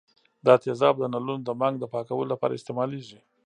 دا تیزاب د نلونو د منګ د پاکولو لپاره استعمالیږي.